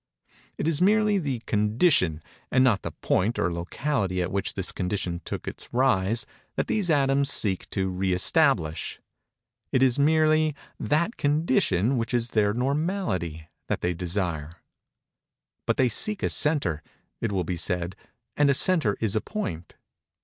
It is merely the condition, and not the point or locality at which this condition took its rise, that these atoms seek to re establish;—it is merely that condition which is their normality, that they desire. "But they seek a centre," it will be said, "and a centre is a point."